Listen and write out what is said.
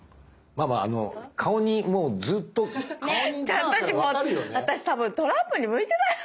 ママあの顔にもうずっと私多分トランプに向いてない。